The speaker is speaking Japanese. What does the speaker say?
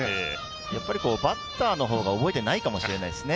やっぱりバッターのほうが覚えてないかもしれないですね。